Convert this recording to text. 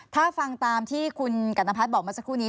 ถ้าฟังตามที่คุณกัณพัฒน์บอกเมื่อสักครู่นี้